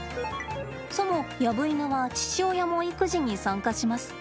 そも、ヤブイヌは父親も育児に参加します。